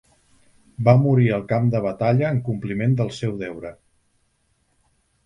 Va morir al camp de batalla en el compliment del seu deure.